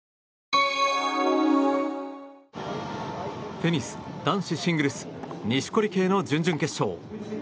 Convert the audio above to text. テニス男子シングルス錦織圭の準々決勝。